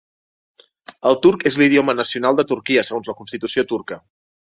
El turc és l'idioma nacional de Turquia segons la constitució turca.